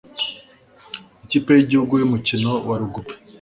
ikipe yigihugu yumukino wa rugubi